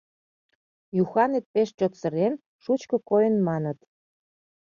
Юханет пеш чот сырен, шучко койын маныт.